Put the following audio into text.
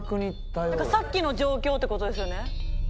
さっきの状況ってことですよね。